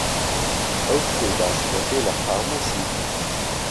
ئەو شتەی باسی دەکەی لە قامووسیش نییە.